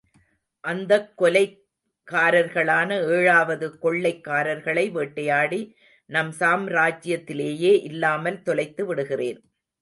அந்தக் கொலைகாரர்களான ஏழாவது கொள்கைக்காரர்களை வேட்டையாடி, நம் சாம்ராஜ்யத்திலேயே இல்லாமல் தொலைத்து விடுகிறேன்.